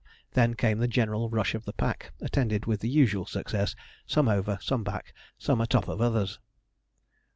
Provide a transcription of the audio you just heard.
Then came the general rush of the pack, attended with the usual success some over, some back, some a top of others.